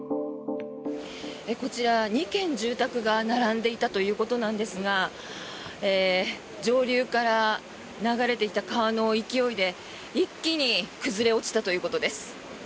こちら、２軒住宅が並んでいたということなんですが上流から流れてきた川の勢いで一気に崩れ落ちたということです。